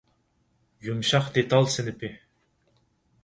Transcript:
يۇمشاق دېتال سىنىپى